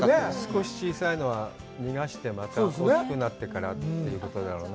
少し小さいのは逃がしてまた大きくなってからということだろうね。